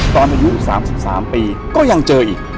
อายุ๓๓ปีก็ยังเจออีก